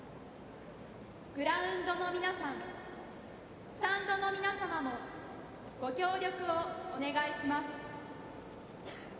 グラウンドの皆さん、スタンドの皆様もご協力をお願いします。